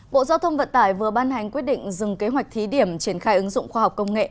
bộ giao thông vận tải vừa ban hành quyết định dừng kế hoạch thí điểm triển khai ứng dụng khoa học công nghệ